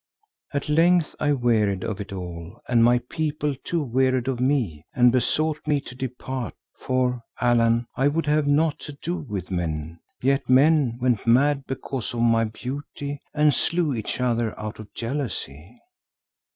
At length I wearied of it all and my people too wearied of me and besought me to depart, for, Allan, I would have naught to do with men, yet men went mad because of my beauty and slew each other out of jealousy.